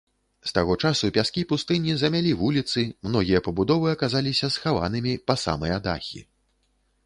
З таго часу пяскі пустыні замялі вуліцы, многія пабудовы аказаліся схаванымі па самыя дахі.